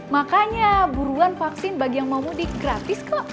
makanya buruan vaksin bagi yang mau mudik gratis kok